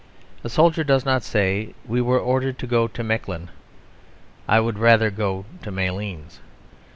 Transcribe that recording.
A soldier does not say "We were ordered to go to Mechlin; but I would rather go to Malines."